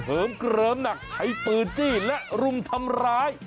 เกลิมหนักใช้ปืนจี้และรุมทำร้าย